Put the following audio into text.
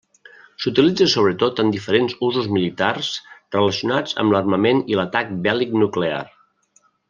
S'utilitza sobretot en diferents usos militars relacionats amb l'armament i atac bèl·lic nuclear.